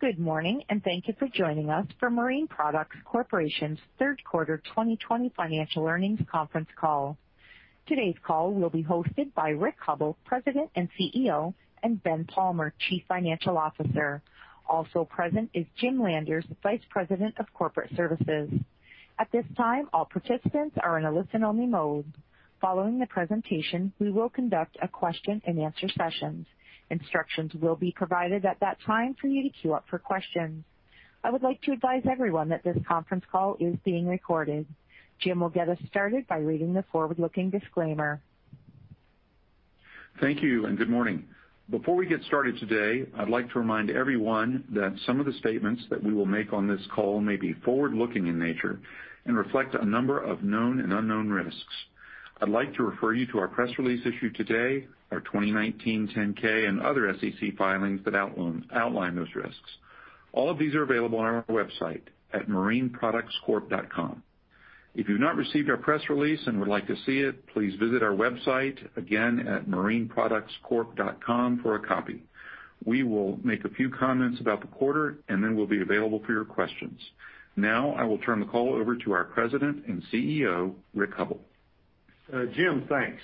Good morning, and thank you for joining us for Marine Products Corporation's Third Quarter 2020 Financial Earnings Conference Call. Today's call will be hosted by Rick Hubbell, President and CEO, and Ben Palmer, Chief Financial Officer. Also present is Jim Landers, Vice President of Corporate Services. At this time, all participants are in a listen-only mode. Following the presentation, we will conduct a question-and-answer session. Instructions will be provided at that time for you to queue up for questions. I would like to advise everyone that this conference call is being recorded. Jim will get us started by reading the forward-looking disclaimer. Thank you, and good morning. Before we get started today, I'd like to remind everyone that some of the statements that we will make on this call may be forward-looking in nature and reflect a number of known and unknown risks. I'd like to refer you to our press release issued today, our 2019 10-K, and other SEC filings that outline those risks. All of these are available on our website at marineproductscorp.com. If you've not received our press release and would like to see it, please visit our website again at marineproductscorp.com for a copy. We will make a few comments about the quarter, and then we'll be available for your questions. Now, I will turn the call over to our President and CEO, Rick Hubbell. Jim, thanks.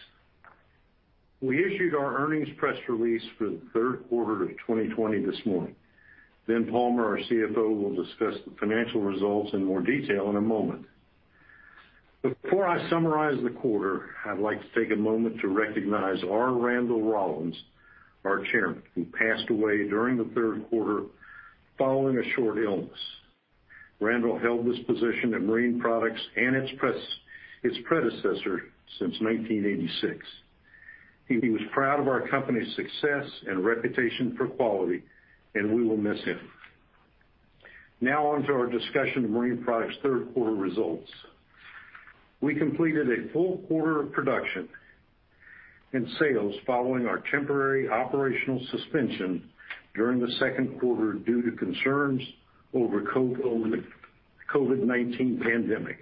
We issued our earnings press release for the third quarter of 2020 this morning. Ben Palmer, our CFO, will discuss the financial results in more detail in a moment. Before I summarize the quarter, I'd like to take a moment to recognize Randall Rollins, our Chairman, who passed away during the third quarter following a short illness. Randall held this position at Marine Products and its predecessor since 1986. He was proud of our company's success and reputation for quality, and we will miss him. Now, on to our discussion of Marine Products' third quarter results. We completed a full quarter of production and sales following our temporary operational suspension during the second quarter due to concerns over the COVID-19 pandemic.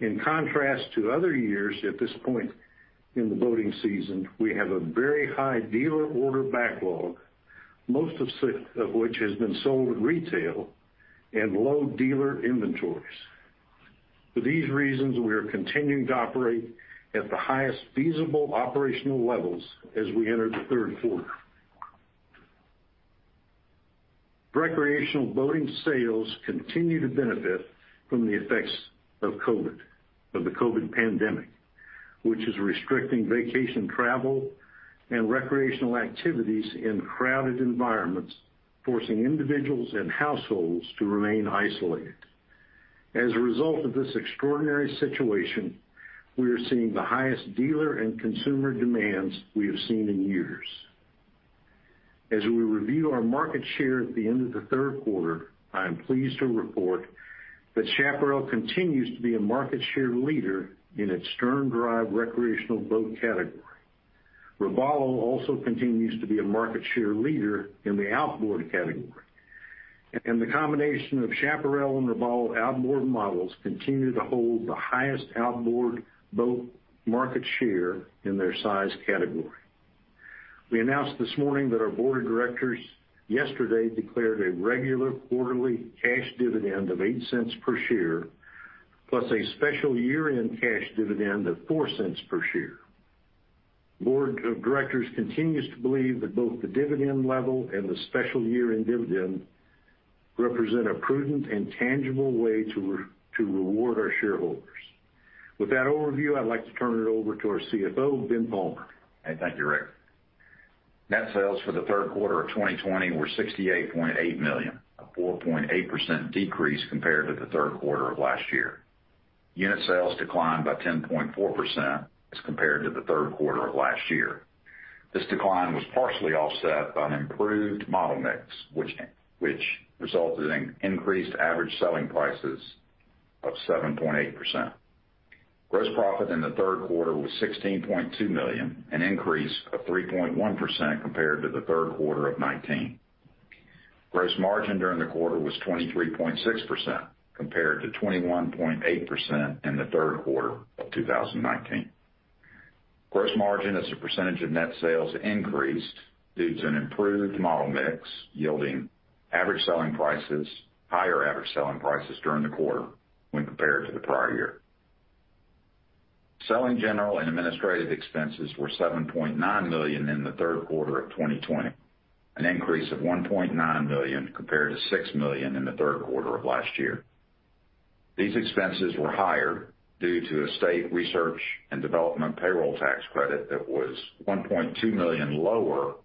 In contrast to other years at this point in the boating season, we have a very high dealer order backlog, most of which has been sold retail and low dealer inventories. For these reasons, we are continuing to operate at the highest feasible operational levels as we enter the third quarter. Recreational boating sales continue to benefit from the effects of the COVID-19 pandemic, which is restricting vacation travel and recreational activities in crowded environments, forcing individuals and households to remain isolated. As a result of this extraordinary situation, we are seeing the highest dealer and consumer demands we have seen in years. As we review our market share at the end of the third quarter, I am pleased to report that Chaparral continues to be a market share leader in its stern drive recreational boat category. Robalo also continues to be a market share leader in the outboard category. The combination of Chaparral and Robalo outboard models continue to hold the highest outboard boat market share in their size category. We announced this morning that our Board of Directors yesterday declared a regular quarterly cash dividend of $0.08 per share, plus a special year-end cash dividend of $0.04 per share. The Board of Directors continues to believe that both the dividend level and the special year-end dividend represent a prudent and tangible way to reward our shareholders. With that overview, I'd like to turn it over to our CFO, Ben Palmer. Thank you, Rick. Net sales for the third quarter of 2020 were $68.8 million, a 4.8% decrease compared to the third quarter of last year. Unit sales declined by 10.4% as compared to the third quarter of last year. This decline was partially offset by an improved model mix, which resulted in increased average selling prices of 7.8%. Gross profit in the third quarter was $16.2 million, an increase of 3.1% compared to the third quarter of 2019. Gross margin during the quarter was 23.6% compared to 21.8% in the third quarter of 2019. Gross margin as a percentage of net sales increased due to an improved model mix yielding average selling prices, higher average selling prices during the quarter when compared to the prior year. Selling general and administrative expenses were $7.9 million in the third quarter of 2020, an increase of $1.9 million compared to $6 million in the third quarter of last year. These expenses were higher due to a state research and development payroll tax credit that was $1.2 million lower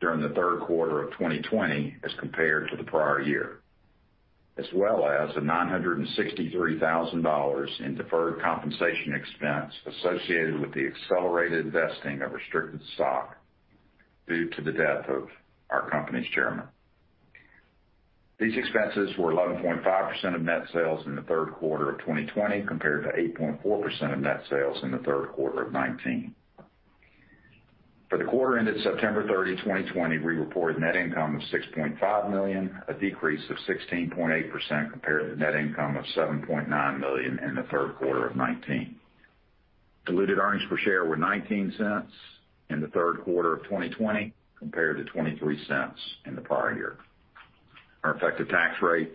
during the third quarter of 2020 as compared to the prior year, as well as a $963,000 in deferred compensation expense associated with the accelerated vesting of restricted stock due to the death of our company's Chairman. These expenses were 11.5% of net sales in the third quarter of 2020 compared to 8.4% of net sales in the third quarter of 2019. For the quarter ended September 30, 2020, we reported net income of $6.5 million, a decrease of 16.8% compared to the net income of $7.9 million in the third quarter of 2019. Diluted earnings per share were $0.19 in the third quarter of 2020 compared to $0.23 in the prior year. Our effective tax rate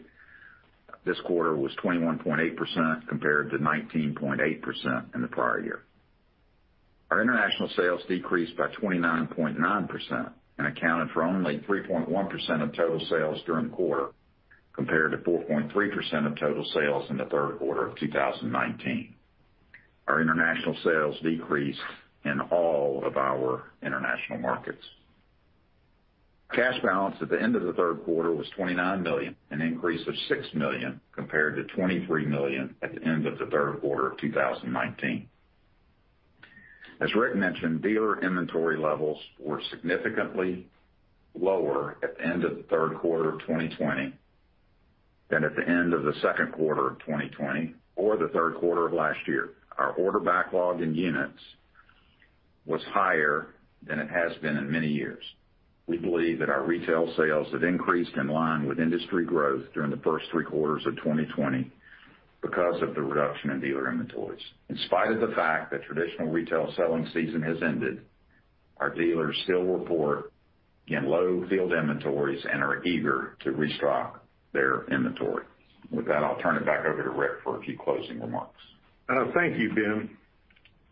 this quarter was 21.8% compared to 19.8% in the prior year. Our international sales decreased by 29.9% and accounted for only 3.1% of total sales during the quarter compared to 4.3% of total sales in the third quarter of 2019. Our international sales decreased in all of our international markets. Cash balance at the end of the third quarter was $29 million, an increase of $6 million compared to $23 million at the end of the third quarter of 2019. As Rick mentioned, dealer inventory levels were significantly lower at the end of the third quarter of 2020 than at the end of the second quarter of 2020 or the third quarter of last year. Our order backlog in units was higher than it has been in many years. We believe that our retail sales have increased in line with industry growth during the first three quarters of 2020 because of the reduction in dealer inventories. In spite of the fact that the traditional retail selling season has ended, our dealers still report low field inventories and are eager to restock their inventory. With that, I'll turn it back over to Rick for a few closing remarks. Thank you, Ben.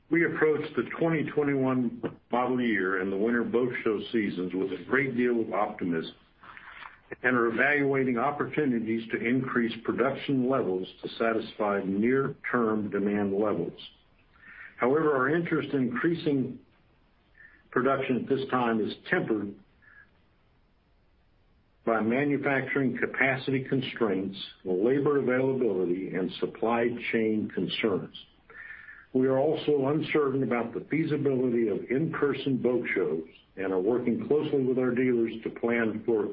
We approached the 2021 model year and the winter boat show seasons with a great deal of optimism and are evaluating opportunities to increase production levels to satisfy near-term demand levels. However, our interest in increasing production at this time is tempered by manufacturing capacity constraints, labor availability, and supply chain concerns. We are also uncertain about the feasibility of in-person boat shows and are working closely with our dealers to plan for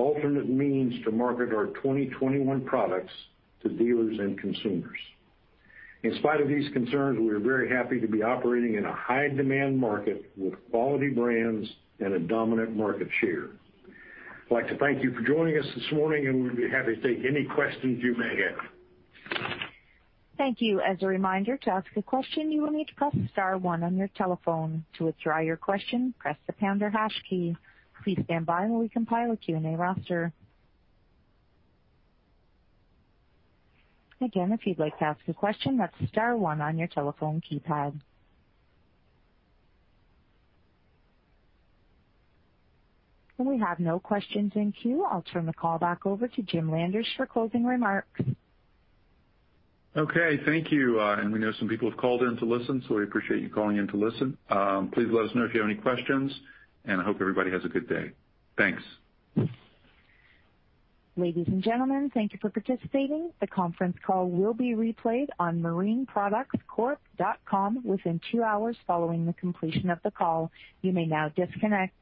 alternate means to market our 2021 products to dealers and consumers. In spite of these concerns, we are very happy to be operating in a high-demand market with quality brands and a dominant market share. I'd like to thank you for joining us this morning, and we'd be happy to take any questions you may have. Thank you. As a reminder, to ask a question, you will need to press Star one on your telephone. To withdraw your question, press the pound or hash key. Please stand by while we compile a Q&A roster. Again, if you'd like to ask a question, that's Star one on your telephone keypad. We have no questions in queue. I'll turn the call back over to Jim Landers for closing remarks. Okay. Thank you. We know some people have called in to listen, so we appreciate you calling in to listen. Please let us know if you have any questions, and I hope everybody has a good day. Thanks. Ladies and gentlemen, thank you for participating. The conference call will be replayed on marineproductscorp.com within two hours following the completion of the call. You may now disconnect.